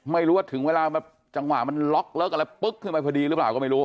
ไม่รู้ว่าถึงเวลาจังหวะมันล็อกเลิกอะไรปึ๊กขึ้นไปพอดีหรือเปล่าก็ไม่รู้